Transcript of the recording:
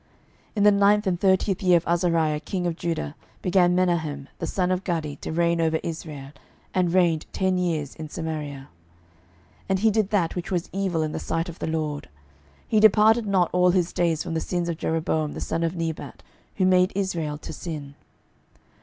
12:015:017 In the nine and thirtieth year of Azariah king of Judah began Menahem the son of Gadi to reign over Israel, and reigned ten years in Samaria. 12:015:018 And he did that which was evil in the sight of the LORD: he departed not all his days from the sins of Jeroboam the son of Nebat, who made Israel to sin.